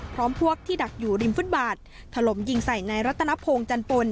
พวกที่ดักอยู่ริมฟุตบาทถล่มยิงใส่ในรัตนพงศ์จันปน